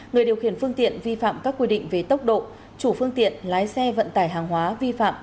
người điều khiển phương tiện vi phạm các quy định về tốc độ chủ phương tiện lái xe vận tải hàng hóa vi phạm